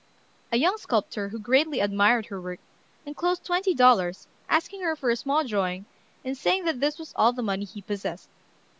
A young sculptor who greatly admired her work, enclosed twenty dollars, asking her for a small drawing, and saying that this was all the money he possessed.